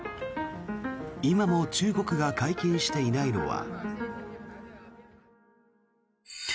今も中国が解禁していないのは。